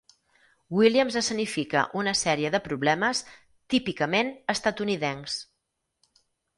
Williams escenifica una sèrie de problemes típicament estatunidencs.